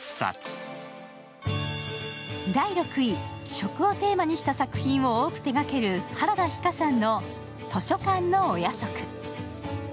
食をテーマにした作品を多く手がける原田ひ香さんの「図書館のお夜食」。